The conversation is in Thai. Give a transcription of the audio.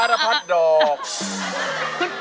เพราะว่าไม่รักกันอยู่กัน